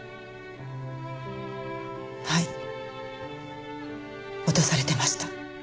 はい脅されてました。